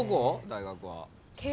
大学は。え！？